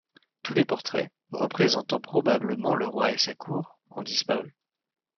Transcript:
Tous les portraits, représentant probablement le roi et sa cour, ont disparu.